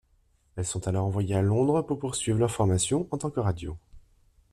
Elles sont alors envoyées à Londres pour poursuivre leur formation en tant que radio.